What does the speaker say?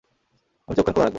আমি চোখ কান খোলা রাখব।